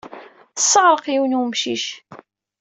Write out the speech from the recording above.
Tesseɣreq yiwen n wemcic.